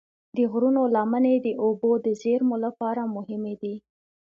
د غرونو لمنې د اوبو د زیرمو لپاره مهمې دي.